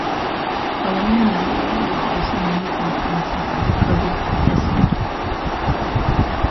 A limited number were also manufactured in South Africa with this engine.